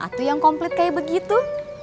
waktu yang komplit kayak begitu